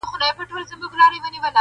• له ډېر غمه یې څښتن سو فریشانه,